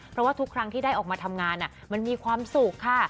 เพราะว่าทุกครั้งที่ได้ออกมาทำงานมันมีความสุขค่ะ